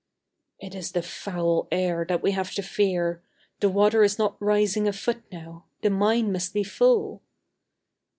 "It is the foul air that we have to fear.... The water is not rising a foot now; the mine must be full...."